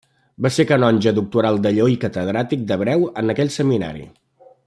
Va ser canonge doctoral de Lleó i Catedràtic d'hebreu en aquell seminari.